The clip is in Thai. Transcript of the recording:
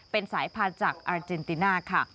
เป็นสายพันธุ์จากอาเจนติน่าค่ะ